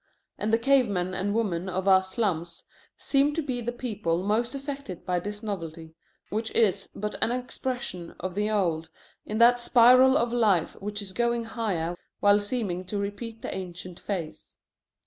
And the cave men and women of our slums seem to be the people most affected by this novelty, which is but an expression of the old in that spiral of life which is going higher while seeming to repeat the ancient phase.